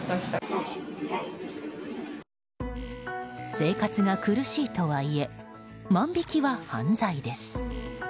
生活が苦しいとはいえ万引きは犯罪です。